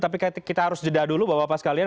tapi kita harus jeda dulu bapak bapak sekalian